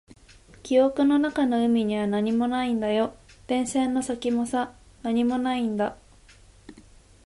記憶の中の海には何もないんだよ。電線の先もさ、何もないんだ。